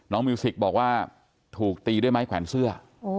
มิวสิกบอกว่าถูกตีด้วยไม้แขวนเสื้อ